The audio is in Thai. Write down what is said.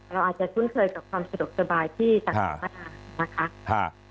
เราอาจจะทุนเคยกับความสะดวกสบายที่ต่างจากวังหาห์นะคะ